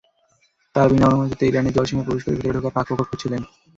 তাঁরা বিনা অনুমতিতে ইরানের জলসীমায় প্রবেশ করে ভেতরে ঢোকার ফাঁকফোকর খুঁজছিলেন।